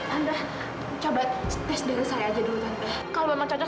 anda coba tes dengan saya aja dulu kalau mau cocok